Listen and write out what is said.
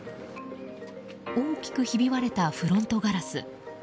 大きくひび割れたフロントガラス。